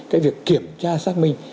cái việc kiểm tra xác minh